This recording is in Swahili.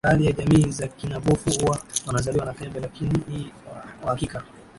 baadhi ya jamii za kina pofu huwa wanazaliwa na pembe Lakini hii kwa hakika